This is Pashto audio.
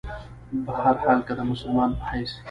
بهرحال کۀ د مسلمان پۀ حېث